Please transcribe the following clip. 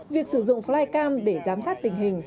việc sử dụng flycam để giám sát tình hình